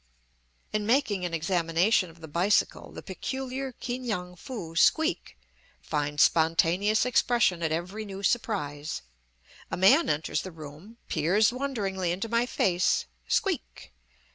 In making an examination of the bicycle, the peculiar "Ki ngan foo squeak" finds spontaneous expression at every new surprise. A man enters the room, peers wonderingly into my face squeak!